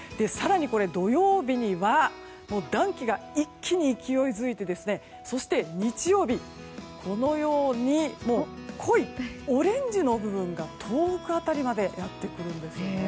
更に、土曜日には暖気が一気に勢いづいてそして、日曜日このように濃いオレンジの部分が東北辺りまでやってくるんですよね。